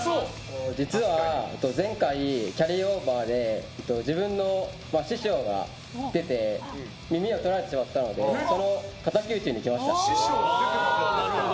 実は前回、キャリーオーバーで自分の師匠が出て耳を取られてしまったのでそのかたき討ちに来ました。